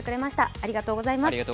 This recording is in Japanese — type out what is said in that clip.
ありがとうございます。